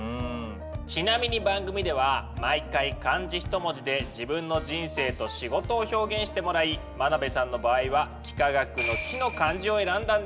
ちなみに番組では毎回漢字一文字で自分の人生と仕事を表現してもらい真鍋さんの場合は幾何学の「幾」の漢字を選んだんです。